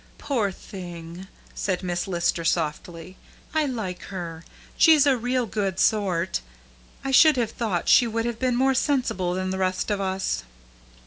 "Poor thing!" said Miss Lister softly. "I like her. She's a real good sort. I should have thought she would have been more sensible than the rest of us."